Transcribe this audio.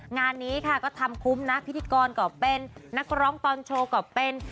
งานนี้ค่ะก็ทำคุ้มนะพิธีกรก็เป็นนักร้องตอนโชว์ก็เป็น